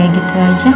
jangan ambil bantuan